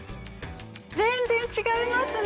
全然違いますね！